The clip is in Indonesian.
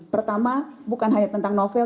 pertama bukan hanya tentang novel